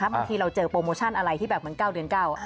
บางทีเราเจอโปรโมชั่นอะไรที่แบบเหมือนเก้าเดือนเก้า